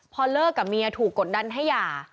พอเลิกกับเมียถูกกดดันให้หย่า